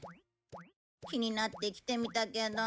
気になって来てみたけど。